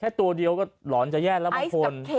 ตัวเดียวก็หลอนจะแย่แล้วบางคน